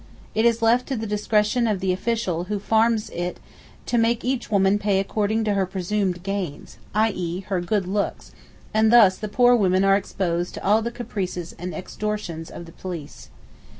It is left to the discretion of the official who farms it to make each woman pay according to her presumed gains, i.e. her good looks, and thus the poor women are exposed to all the caprices and extortions of the police.